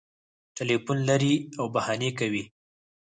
ټلیفون لري او بهانې کوي